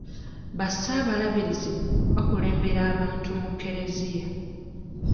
Ba ssaabalabirizi bakulembera abantu mu kereziya.